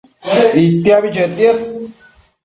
Itiabi chetiad